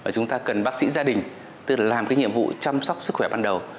chúng ta cần bác sĩ gia đình tức là làm cái nhiệm vụ chăm sóc sức khỏe ban đầu